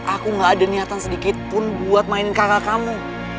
aku gak ada niatan sedikit pun buat main kakak kamu